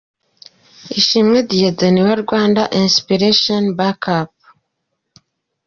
Ishimwe Dieudonne wa Rwanda Inspiration Back Up.